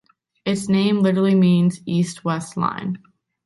Its name literally means "East-West Line".